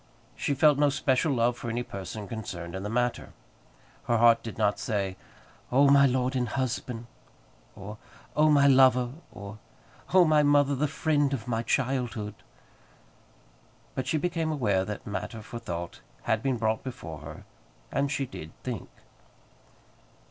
She felt no special love for any person concerned in the matter. Her heart did not say, "Oh, my lord and husband!" or, "Oh, my lover!" or, "Oh, my mother, the friend of my childhood!" But she became aware that matter for thought had been brought before her, and she did think.